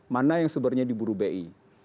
mana yang sebenarnya diburu bi